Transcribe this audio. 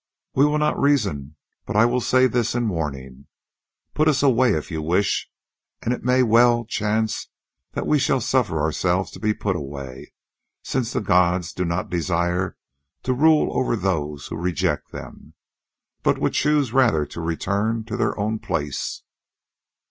We will not reason, but I will say this in warning: put us away if you wish,—and it may well chance that we shall suffer ourselves to be put away, since the gods do not desire to rule over those who reject them, but would choose rather to return to their own place.